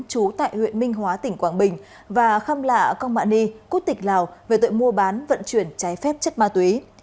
chú tại huyện minh hóa tỉnh quảng bình và kham lạ công mạ ni quốc tịch lào về tội mua bán vận chuyển trái phép chất ma túy